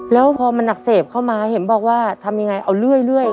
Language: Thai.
แล้วพอมันอักเสบเข้ามาเห็นบอกว่าทำยังไงเอาเรื่อย